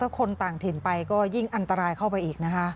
คนต่างถิ่นไปก็ยิ่งอันตรายเข้าไปอีกนะคะ